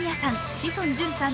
志尊淳さん